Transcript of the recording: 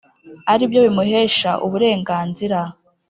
ari byo bimuhesha uburenganzira